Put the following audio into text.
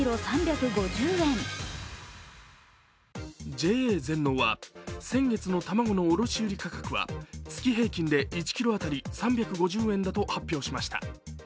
ＪＡ全農は先月の卵の卸売価格は月平均で１ｋｇ当たり３５０円だと発表しました。